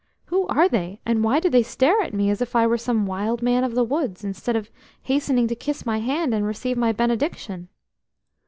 Who are they, and why do they stare at me as if I were some wild man of the woods, instead of hastening to kiss my hand and receive my benediction?"